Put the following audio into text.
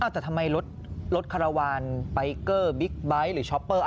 แต่ทำไมรถคาราวานไปเกอร์บิ๊กไบท์หรือช้อปเปอร์